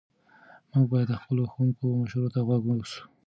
موږ باید د خپلو ښوونکو مشورو ته غوږ سو.